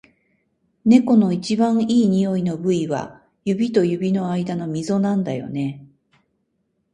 猫の一番いい匂いの部位は、指と指の間のみぞなんだよね。